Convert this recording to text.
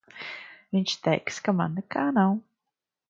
Viņš teiks, ka man nekā nav.